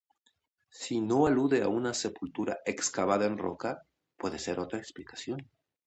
Si no alude a una sepultura excavada en roca, puede ser otra la explicación.